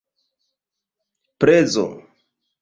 prezo